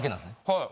はい。